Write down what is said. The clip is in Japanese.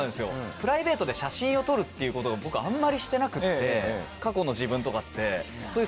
プライベートで写真を撮るっていうこと僕あんまりしてなくって。